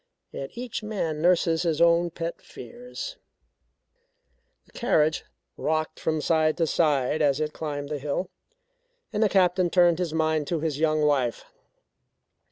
Yet each man nurses his own pet fears." The carriage rocked from side to side as it climbed the hill, and the Captain turned his mind to his young wife.